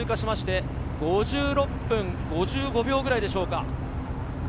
今２０ｋｍを通過しまして、５６分５５秒ぐらいでしょうか。